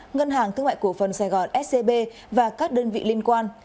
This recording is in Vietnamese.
ngân hàng thương mại cổ phần sài gòn scb và các đơn vị liên quan